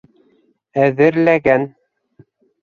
Әҙерләгән...